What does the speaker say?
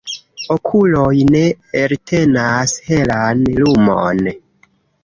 Okuloj ne eltenas helan lumon